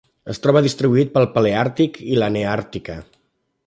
Es troba distribuït pel paleàrtic i la neàrtica.